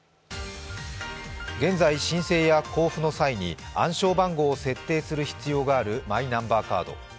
現在、申請や交付の際に暗証番号を設定する必要があるマイナンバーカード。